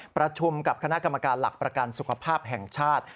ประชุมกับคณะกรรมการหลักประกันสุขภาพแห่งชาติ